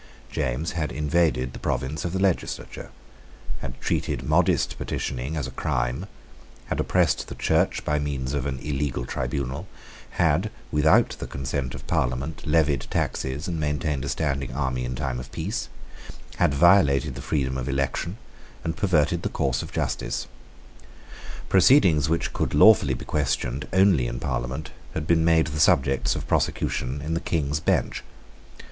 James had invaded the province of the legislature; had treated modest petitioning as a crime; had oppressed the Church by means of an illegal tribunal; had, without the consent of Parliament, levied taxes and maintained a standing army in time of peace; had violated the freedom of election, and perverted the course of justice. Proceedings which could lawfully be questioned only in Parliament had been made the subjects of prosecution in the King's Bench.